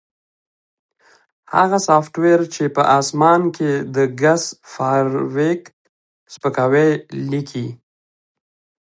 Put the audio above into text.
هغه سافټویر چې په اسمان کې د ګس فارویک سپکاوی لیکي